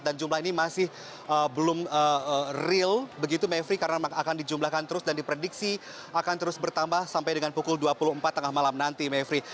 dan jumlah ini masih belum real begitu mephri karena akan dijumlahkan terus dan diprediksi akan terus bertambah sampai dengan pukul dua puluh empat tengah malam nanti mephri